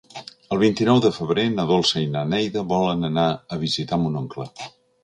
El vint-i-nou de febrer na Dolça i na Neida volen anar a visitar mon oncle.